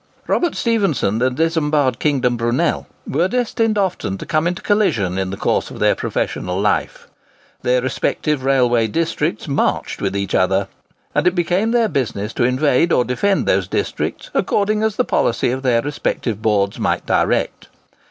Robert Stephenson and Isambard Kingdom Brunel were destined often to come into collision in the course of their professional life. Their respective railway districts "marched" with each other, and it became their business to invade or defend those districts, according as the policy of their respective boards might direct.